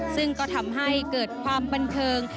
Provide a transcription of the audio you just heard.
ซึ่งก็ทำให้เกิดความบันเทิง